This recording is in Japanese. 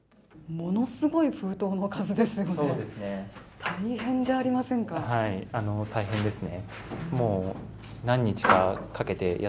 ものすごい封筒の数ですよね